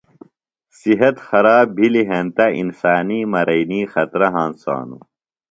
صحت خراب بھلِیۡ ہینتہ انسانی مرینیۡ خطرہ ہنسانوۡ۔